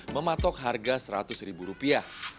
mematok harga seratus ribu rupiah